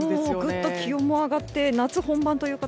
ぐっと気温も上がって夏本番という形。